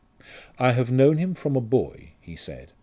"I have known him from a boy," he said.